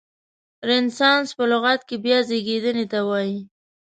رنسانس په لغت کې بیا زیږیدنې ته وایي.